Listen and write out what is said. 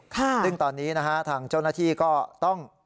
ซึ่งตอนนี้นะฮะทางเจ้าหน้าที่ก็ต้อง